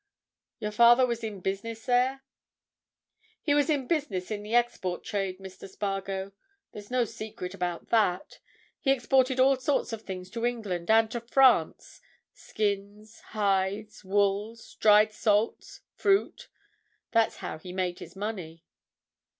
"Your father was in business there?" "He was in business in the export trade, Mr. Spargo. There's no secret about that. He exported all sorts of things to England and to France—skins, hides, wools, dried salts, fruit. That's how he made his money."